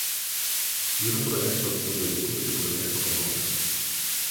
Yra projekto „Tu gali kurti“ projekto vadovė.